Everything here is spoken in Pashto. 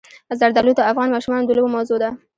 زردالو د افغان ماشومانو د لوبو موضوع ده.